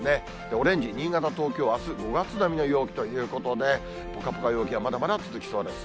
オレンジ、新潟、東京は、あす、５月並みの陽気ということで、ぽかぽか陽気はまだまだ続きそうです。